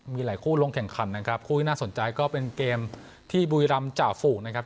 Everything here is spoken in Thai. มีหลายคู่ลงแข่งขันนะครับคู่ที่น่าสนใจก็เป็นเกมที่บุรีรำจ่าฝูงนะครับ